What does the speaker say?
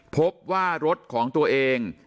พบว่ารถของตัวเอง